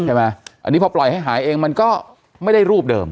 ใช่ไหมอันนี้พอปล่อยให้หายเองมันก็ไม่ได้รูปเดิม